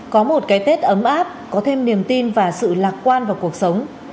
có một cái tết ấm áp có thêm niềm tin và sự lạc quan vào cuộc sống